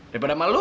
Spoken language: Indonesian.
daripada sama lu